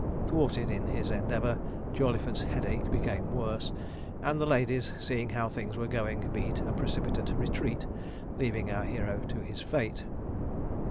Thwarted in his endeavour, Jawleyford's headache became worse, and the ladies, seeing how things were going, beat a precipitate retreat, leaving our hero to his fate.